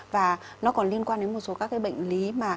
và nó còn liên quan đến một số các cái bệnh lý mà